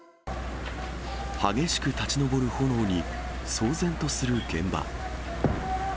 激しく立ち上る炎に、騒然とする現場。